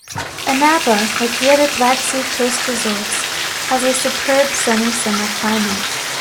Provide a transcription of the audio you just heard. Anapa, like the other Black Sea coast resorts, has a superb sunny summer climate.